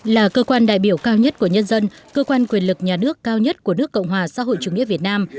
là cơ quan đại biểu cao nhất của nhân dân cơ quan quyền lực nhà nước cao nhất của nước cộng hòa xã hội chủ nghĩa việt nam